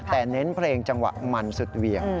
แต่เน้นเพลงจังหวะมันสุดเหวี่ยง